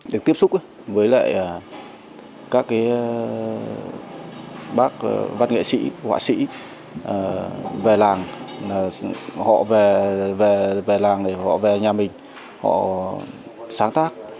được tiếp xúc với các bác văn nghệ sĩ họa sĩ về làng họ về nhà mình họ sáng tác